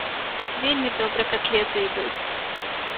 Вельмі добра катлеты ідуць.